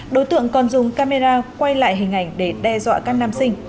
đối tượng còn dùng camera quay lại hình ảnh để đe dọa các nam sinh